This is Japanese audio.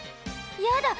やだ！